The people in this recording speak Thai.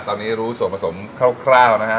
ตอนนี้รู้ส่วนผสมคร่าวนะฮะ